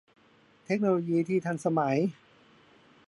เทคโนโลยีที่ทันสมัย